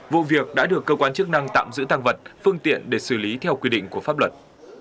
vụ việc đã được cơ quan chức năng tạm giữ tăng vật phương tiện để xử lý theo quy định của pháp luật